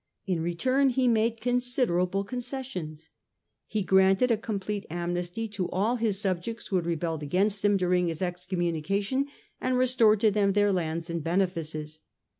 In return he made considerable con cessions. He granted a complete amnesty to all his subjects who had rebelled against him during his excom munication and restored to them their lands and benefices.